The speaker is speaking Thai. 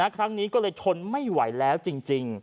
ครั้งนี้ก็เลยทนไม่ไหวแล้วจริง